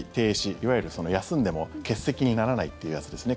いわゆる休んでも欠席にならないってやつですね。